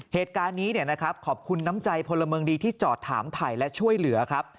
เหตุการณ์นี้ขอบคุณน้ำใจพลเมิงดีที่จอดถามถ่ายและช่วยเหลือครับ